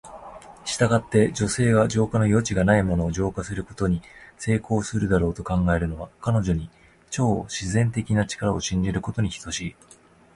したがって、女性が浄化の余地がないものを浄化することに成功するだろうと考えるのは、彼女に超自然的な力を信じることに等しい。